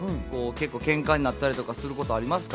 ケンカになったりすることありますか？